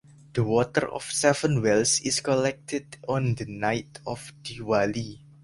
The water of seven wells is collected on the night of Diwali.